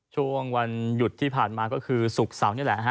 ช่วงวันหยุดที่ผ่านมาก็คือศุกร์เสาร์นี่แหละฮะ